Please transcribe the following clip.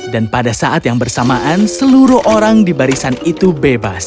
dan pada saat yang bersamaan seluruh orang di barisan itu bebas